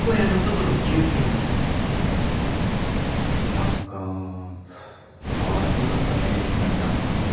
何かかわいそうだったねユキナちゃん。え？